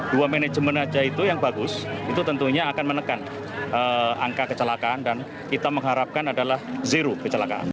dua manajemen saja itu yang bagus itu tentunya akan menekan angka kecelakaan dan kita mengharapkan adalah zero kecelakaan